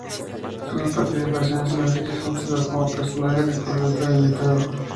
Sus participaciones en las series han sido como personaje recurrente o invitado.